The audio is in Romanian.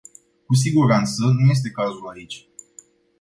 Cu siguranță, nu este cazul aici.